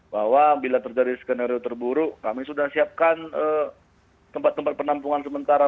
bahwa bila terjadi skenario terburuk kami sudah siapkan tempat tempat penampungan sementara